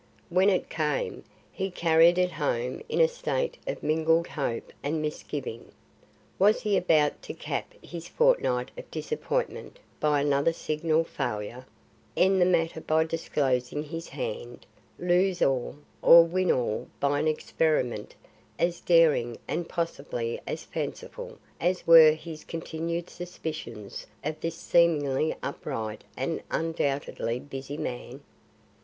When it came, he carried it home in a state of mingled hope and misgiving. Was he about to cap his fortnight of disappointment by another signal failure; end the matter by disclosing his hand; lose all, or win all by an experiment as daring and possibly as fanciful as were his continued suspicions of this seemingly upright and undoubtedly busy man?